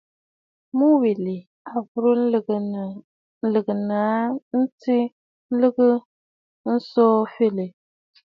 Mu wilì a burə nlɨgə aa tsiʼì lɨ̀gə̀, tso fɨliɨ̂.